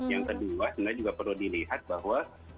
yang kedua sebenarnya juga perlu dilihat bahwa